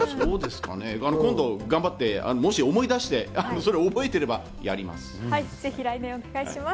今度頑張って、もし思い出して、覚えてればやります。